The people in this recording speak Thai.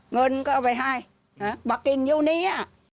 เงินก็เอาไปให้มากินอยู่เนี่ย